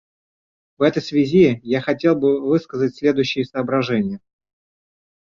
В этой связи я хотел бы высказать следующие соображения.